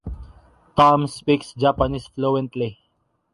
Tom speaks Japanese fluently.